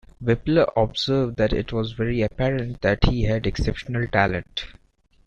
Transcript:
Wippler observed that It was very apparent that he had exceptional talent.